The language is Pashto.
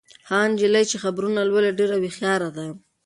هغه نجلۍ چې خبرونه لولي ډېره هوښیاره ده.